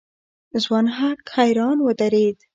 ځوان هک حيران ودرېد.